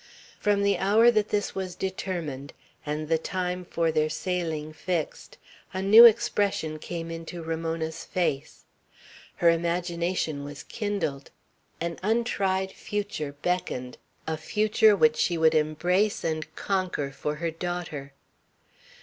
From the hour that this was determined, and the time for their sailing fixed, a new expression came into Ramona's face. Her imagination was kindled. An untried future beckoned, a future which she would embrace and conquer for her daughter.